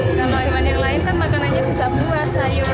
kalau hewan yang lain kan makanannya bisa buah sayur